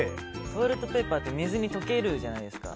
トイレットペーパーって水に溶けるじゃないですか。